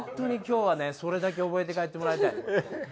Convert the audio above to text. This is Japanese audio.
それだけ覚えて帰ってもらいたい。